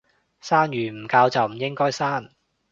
生完唔教就唔應該生